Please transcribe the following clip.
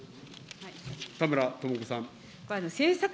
田村智子さん。